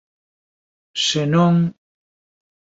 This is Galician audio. Se non...